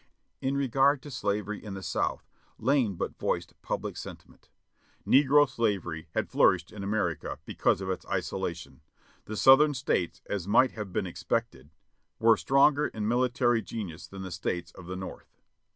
In regard to Slavery in the South, Lane but voiced public sentiment: "Negro slavery had flourished in America because of its isolation. Tlie Southern States, as might have been expected, were stronger in military genius than the States of the North.